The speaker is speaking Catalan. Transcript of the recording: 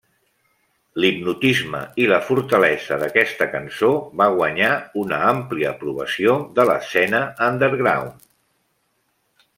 L'hipnotisme i la fortalesa d'aquesta cançó va guanyar una àmplia aprovació de l'escena underground.